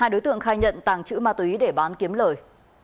hai đối tượng khai nhận tàng trữ ma túy để bán kiếm lời